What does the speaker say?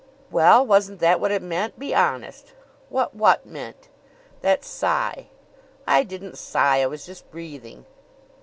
"Well, wasn't that what it meant? Be honest!" "What what meant?" "That sigh." "I didn't sigh. I was just breathing."